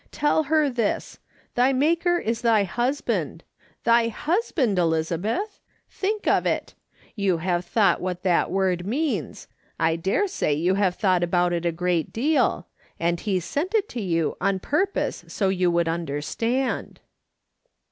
Tell her this :' Thy maker is thy hus band.' Thy husband, Elizabeth ! think of it. You have thought what that word means. I daresay you have thought about it a great deal ; and he sent it to you on purpose so you would understand."